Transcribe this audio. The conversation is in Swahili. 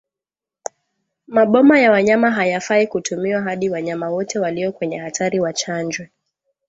Maboma ya wanyama hayafai kutumiwa hadi wanyama wote walio kwenye hatari wachanjwe